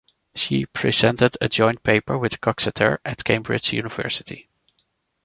She presented a joint paper with Coxeter at Cambridge University.